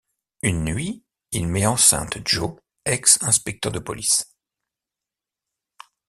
Une nuit, il met enceinte Jo, ex-inspecteur de police.